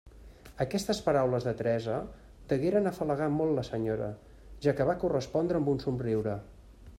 Aquestes paraules de Teresa degueren afalagar molt la senyora, ja que va correspondre amb un somriure.